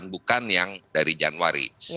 bukan yang dari januari